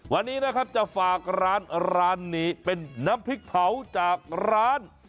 วันนี้นะครับจะฝากร้านร้านนี้เป็นน้ำพริกเผาจากร้าน